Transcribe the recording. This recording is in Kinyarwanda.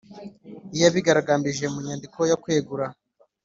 Iyo abigaragarije munyandiko yo kwegura